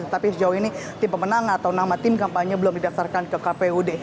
tetapi sejauh ini tim pemenang atau nama tim kampanye belum didaftarkan ke kpud